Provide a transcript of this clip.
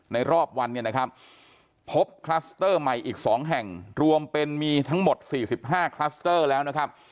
ในรอบวันเนี่ยนะครับพบคลัสเตอร์ใหม่อีก๒แห่งรวมเป็นมีทั้งหมด๔๕คลัสเตอร์แล้วนะครับ